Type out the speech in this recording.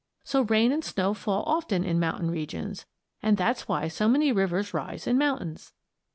So rain and snow fall often in mountain regions, and that's why so many rivers rise in mountains.